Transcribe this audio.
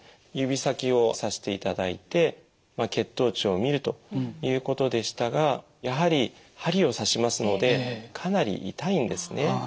指先を刺していただいて血糖値を見るということでしたがやはり針を刺しますのでかなり痛いんですね。